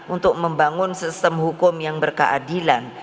untuk membangun sistem hukum yang berkeadilan